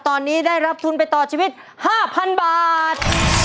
ตอนนี้ได้รับทุนไปต่อชีวิต๕๐๐๐บาท